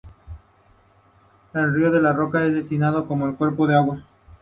El río de roca no es designado como un cuerpo de agua.